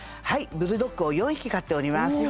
ブルドッグを４匹飼っております。